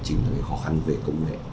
chính là khó khăn về công nghệ